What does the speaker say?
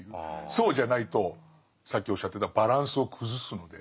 そうじゃないとさっきおっしゃってたバランスを崩すので。